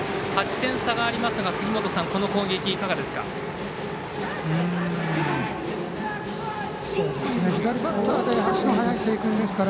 ８点差がありますがこの攻撃、いかがですか。